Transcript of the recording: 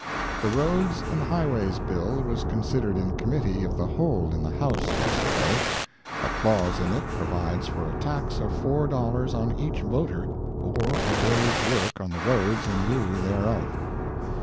] The Roads and Highways bill was considered in Committee of the Whole in the House yesterday. A clause in it provides for a tax of $4 on each voter, or a day's work on the roads in lieu thereof.